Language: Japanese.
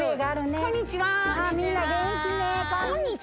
こんにちは。